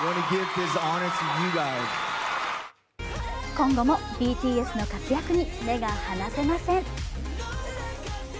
今後もＢＴＳの活躍に目が離せません！